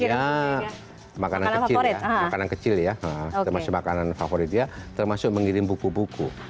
ya makanan kecil ya termasuk makanan favorit dia termasuk mengirim buku buku